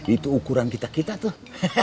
itu ukuran kita kita tuh